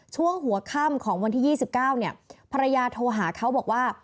ช่วงหัวค่ำของวันที่๒๙เนี่ยภรรยาโทรหาเขาบอกว่า